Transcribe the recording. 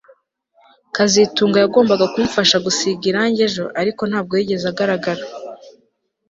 kazitunga yagombaga kumfasha gusiga irangi ejo ariko ntabwo yigeze agaragara